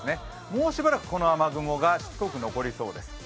もうしばらくこの雨雲がしつこく残りそうです。